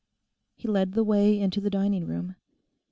He led the way into the dining room.